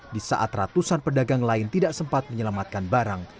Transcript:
di saat ratusan pedagang lain tidak sempat menyelamatkan barang